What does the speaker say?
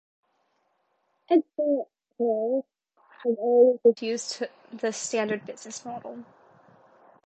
Edson Queiroz has always refused the standard business model.